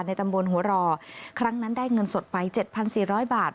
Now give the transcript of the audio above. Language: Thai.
ตำบลหัวรอครั้งนั้นได้เงินสดไป๗๔๐๐บาท